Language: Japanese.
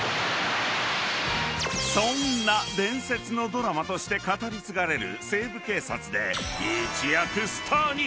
［そんな伝説のドラマとして語り継がれる『西部警察』で］